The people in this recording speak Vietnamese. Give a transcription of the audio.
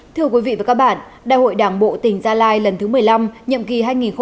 thưa quý vị và các bạn đại hội đảng bộ tỉnh gia lai lần thứ một mươi năm nhậm ký hai nghìn một mươi năm hai nghìn hai mươi